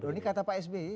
ini kata pak sby